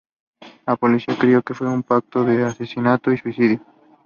La policía creyó que fue un pacto de asesinato y suicidio.